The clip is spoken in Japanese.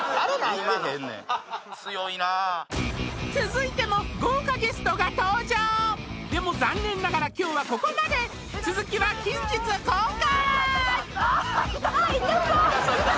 今の強いな続いても豪華ゲストが登場でも残念ながら今日はここまで続きは近日公開！